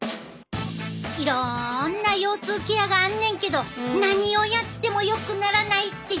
いろんな腰痛ケアがあんねんけど何をやってもよくならないって人もおるんちゃう？